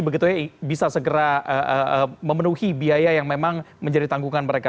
begitu ya bisa segera memenuhi biaya yang memang menjadi tanggungan mereka